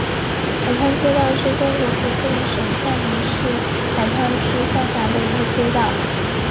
海沧街道是中国福建省厦门市海沧区下辖的一个街道。